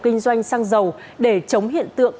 kinh doanh sang giàu để chống hiện tượng